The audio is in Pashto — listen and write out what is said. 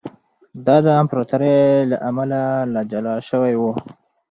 دا د امپراتورۍ له امله له جلا شوی و